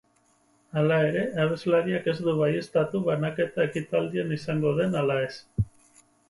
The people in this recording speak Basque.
Hala ere, abeslariak ez du baieztatu banaketa ekitaldian izango den ala ez.